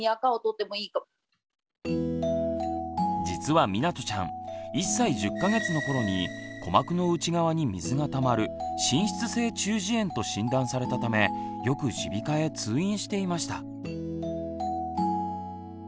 実はみなとちゃん１歳１０か月の頃に鼓膜の内側に水がたまる「滲出性中耳炎」と診断されたためよく耳鼻科へ通院していました。